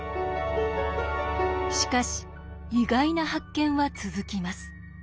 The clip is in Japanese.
しかし意外な発見は続きます。